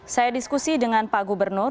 saya diskusi dengan pak gubernur